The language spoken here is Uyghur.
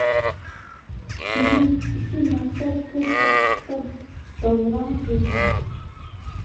بۇنىڭدىكى مەقسەت پۇل تاپتۇق دەپ داۋراڭ سېلىش ئەمەس.